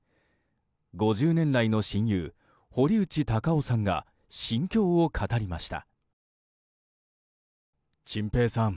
５０年来の親友、堀内孝雄さんが心境を語りました。